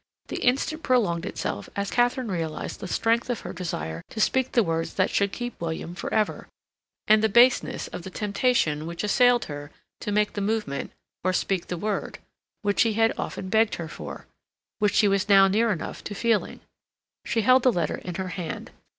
The instant prolonged itself as Katharine realized the strength of her desire to speak the words that should keep William for ever, and the baseness of the temptation which assailed her to make the movement, or speak the word, which he had often begged her for, which she was now near enough to feeling. She held the letter in her hand.